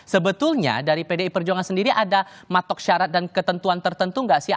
sebetulnya dari pdi perjuangan sendiri ada matok syarat dan ketentuan tertentu nggak sih